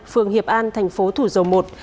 phương hiệp an tp thủ dầu một